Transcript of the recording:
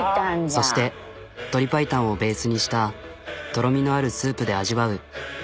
そして鶏パイタンをベースにしたとろみのあるスープで味わうこの付け麺。